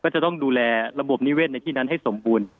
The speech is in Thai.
จะต้องดูแลระบบนิเวศในที่นั้นให้สมบูรณ์